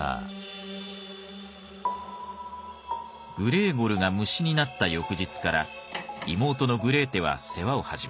グレーゴルが虫になった翌日から妹のグレーテは世話を始めた。